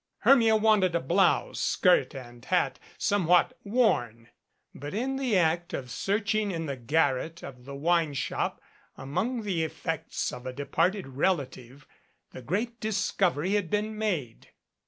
Hermia wanted a blouse, skirt and hat somewhat worn. But in the act of search ing in the garret of the wine shop among the effects of a departed relative the great discovery had been made.